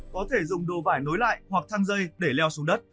có thể dùng đồ vải nối lại hoặc thang dây để leo xuống đất